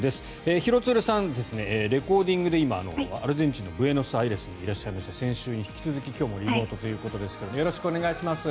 廣津留さん、レコーディングで今、アルゼンチンのブエノスアイレスにいらっしゃいますが先週に引き続き今日もリモートということですがよろしくお願いします。